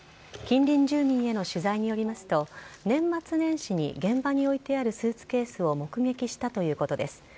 近隣住民への取材によりますと年末年始に現場に置いてあるスーツケースを目撃したということです。